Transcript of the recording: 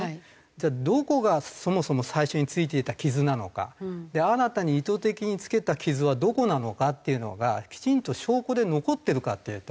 じゃあどこがそもそも最初についていた傷なのか新たに意図的につけた傷はどこなのかっていうのがきちんと証拠で残ってるかっていうと。